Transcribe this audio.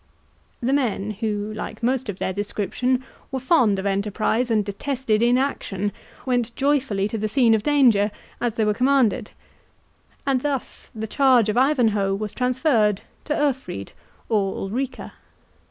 The men, who, like most of their description, were fond of enterprise and detested inaction, went joyfully to the scene of danger as they were commanded, and thus the charge of Ivanhoe was transferred to Urfried, or Ulrica.